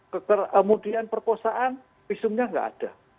kemudian perkosaan visumnya tidak ada